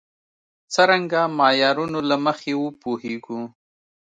څرنګه معیارونو له مخې وپوهېږو.